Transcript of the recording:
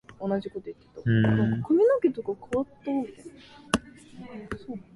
人工知能は私の日常生活をどのように変えていくのでしょうか？